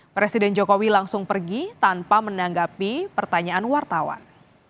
presiden jokowi langsung pergi tanpa menanggapi pertanyaan wartawan